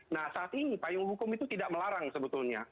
nah saat ini payung hukum itu tidak melarang sebetulnya